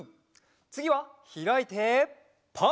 つぎはひらいてパー。